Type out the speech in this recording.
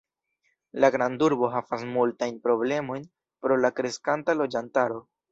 La grandurbo havas multajn problemojn pro la kreskanta loĝantaro.